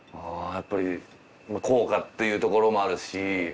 やっぱり高価っていうところもあるし。